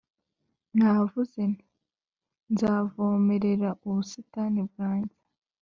Naravuze nti «Nzavomerera ubusitani bwanjye,